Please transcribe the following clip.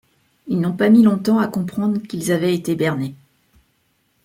Ils n’ont pas mis longtemps à comprendre qu’ils avaient été bernés.